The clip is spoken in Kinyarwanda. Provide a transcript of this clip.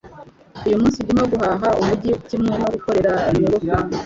Uyu munsi ndimo guhaha mumujyi kimwe no gukorera nyogokuru.